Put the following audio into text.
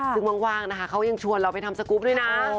ซึ่งมั่งเขายังชวนเราไปทำสกุปด้วยนะ